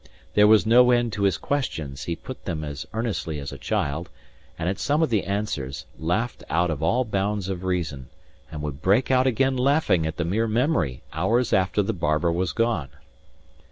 There was no end to his questions; he put them as earnestly as a child; and at some of the answers, laughed out of all bounds of reason, and would break out again laughing at the mere memory, hours after the barber was gone.